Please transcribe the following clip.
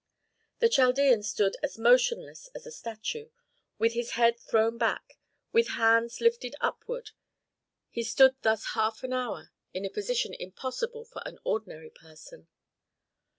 The Chaldean stood as motionless as a statue, with his head thrown back, with hands lifted upward. He stood thus half an hour in a position impossible for an ordinary person.